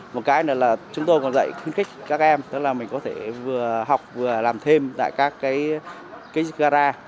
một cái nữa là chúng tôi còn dạy khuyến khích các em tức là mình có thể vừa học vừa làm thêm tại các cái gara